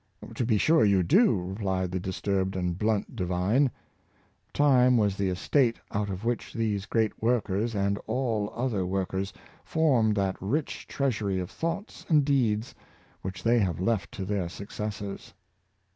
"*" To be sure you do," replied the disturbed and blunt divine. Time was the estate out of which these great workers, and all other workers, formed that rich treas ury of thoughts and deeds which they have left to their successors.